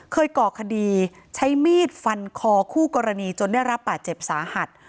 ก่อคดีใช้มีดฟันคอคู่กรณีจนได้รับบาดเจ็บสาหัส